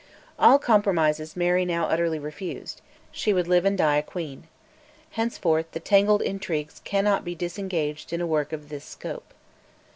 All compromises Mary now utterly refused: she would live and die a queen. Henceforth the tangled intrigues cannot be disengaged in a work of this scope.